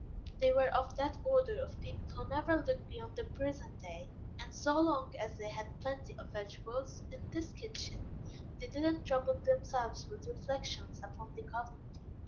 They were of that order of people who never look beyond the present day; and so long as they had plenty of victuals, in this kitchen, they did not trouble themselves with reflections upon the cotton field.